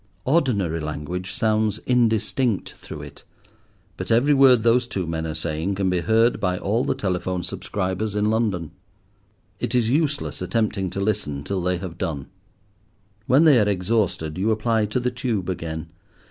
Ordinary language sounds indistinct through it; but every word those two men are saying can be heard by all the telephone subscribers in London. It is useless attempting to listen till they have done. When they are exhausted, you apply to the tube again.